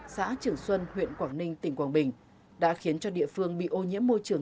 xã trường xuân huyện quảng ninh tỉnh quảng bình đã khiến cho địa phương bị ô nhiễm môi trường